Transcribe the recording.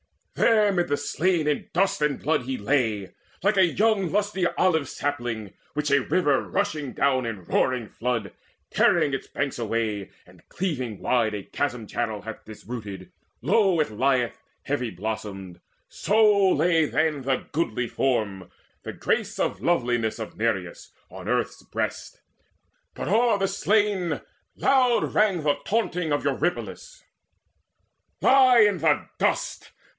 There mid the slain in dust and blood he lay, Like a young lusty olive sapling, which A river rushing down in roaring flood, Tearing its banks away, and cleaving wide A chasm channel, hath disrooted; low It lieth heavy blossomed; so lay then The goodly form, the grace of loveliness Of Nireus on earth's breast. But o'er the slain Loud rang the taunting of Eurypylus: "Lie there in dust!